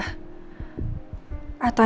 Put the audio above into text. atau emang keberatan